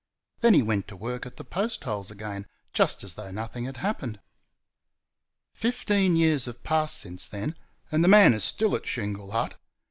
Then he went to work at the post holes again, just as though nothing had happened. Fifteen years have passed since then, and the man is still at Shingle Hut.